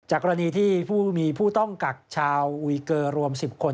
กรณีที่มีผู้ต้องกักชาวอุยเกอร์รวม๑๐คน